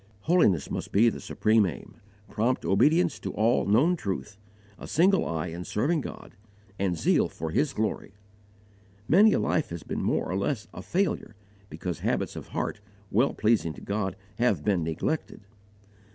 Holiness must be the supreme aim: prompt obedience to all known truth, a single eye in serving God, and zeal for His glory. Many a life has been more or less a failure because habits of heart well pleasing to God have been neglected.